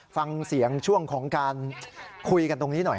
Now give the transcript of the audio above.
ฟังเสียงช่วงของการคุยกันตรงนี้หน่อย